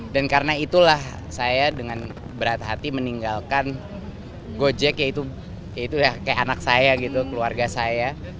dan karena itulah saya dengan berat hati meninggalkan gojek ya itu kayak anak saya gitu keluarga saya